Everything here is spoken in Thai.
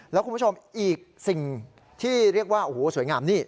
แล้วคุณผู้ชมอีกสิ่งที่เรียกว่าโอ้โหสวยงามนี่